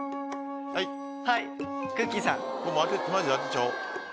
マジ当てちゃおう。